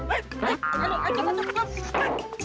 eh anja apaan sih